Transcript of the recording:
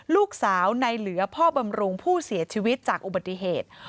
ลูกสาวในเหลือพ่อบำรุงผู้เสียชีวิตจากอุบัติเหตุ